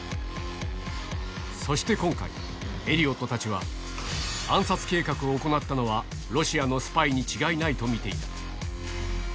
そして今回、エリオットたちは、暗殺計画を行ったのは、ロシアのスパイに違いないと見ていた。